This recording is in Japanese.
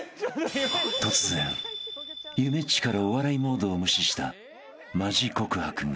［突然ゆめっちからお笑いモードを無視したマジ告白が］